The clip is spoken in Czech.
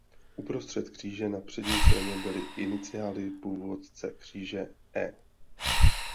Uprostřed kříže na přední straně byly iniciály původce kříže ""E.